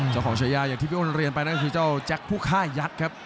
เจ้าของชายาอย่างที่พี่โอนเรียนไปนะครับคือเจ้าแจ๊คผู้ค่ายัดครับ